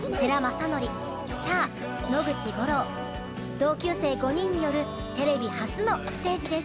同級生５人によるテレビ初のステージです。